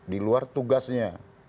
di luar tugasnya